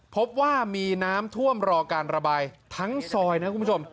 พบว่ามีน้ำท่วมรอการระบายทั้งซอยนะคุณผู้ชม